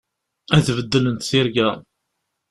Ad beddlent tirga.